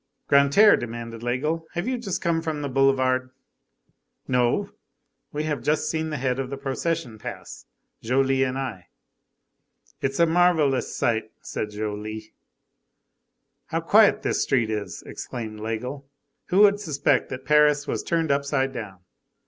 "Grantaire," demanded Laigle, "have you just come from the boulevard?" "No." "We have just seen the head of the procession pass, Joly and I." "It's a marvellous sight," said Joly. "How quiet this street is!" exclaimed Laigle. "Who would suspect that Paris was turned upside down?